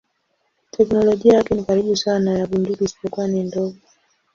Teknolojia yake ni karibu sawa na ya bunduki isipokuwa ni ndogo.